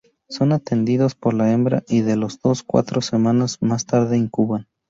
Son atendidos por la hembra y de dos a cuatro semanas más tarde incuban.